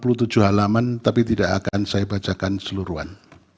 mohon maaf dissenting saya lima puluh tujuh halaman tapi tidak akan saya bacakan seluruhan